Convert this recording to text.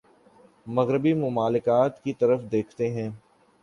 مغربی ممالک کی طرف دیکھتے ہیں